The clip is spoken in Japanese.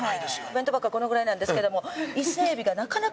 弁当箱がこのぐらいなんですけども。